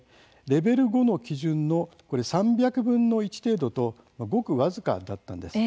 レベル５の基準の３００分の１程度とごく僅かだったんです。